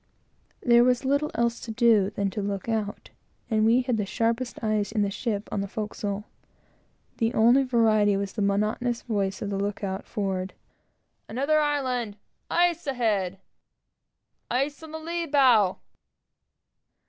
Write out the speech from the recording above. There was little else to do than to look out; and we had the sharpest eyes in the ship on the forecastle. The only variety was the monotonous voice of the look out forward "Another island!" "Ice ahead!" "Ice on the lee bow!"